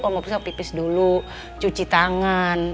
kalau mau pisah pipis dulu cuci tangan